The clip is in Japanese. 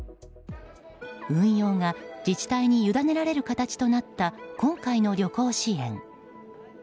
運用が自治体にゆだねられる形となった今回の旅行支援。